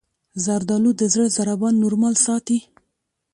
زردالو د زړه ضربان نورمال ساتي.